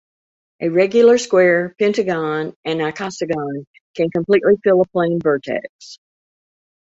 A regular square, pentagon, and icosagon can completely fill a plane vertex.